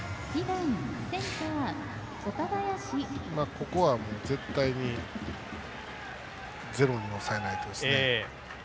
ここは絶対にゼロに抑えないとですね。